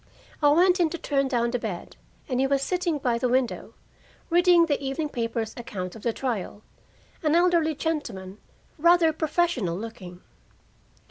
I went in to turn down the bed, and he was sitting by the window, reading the evening paper's account of the trial an elderly gentleman, rather professional looking.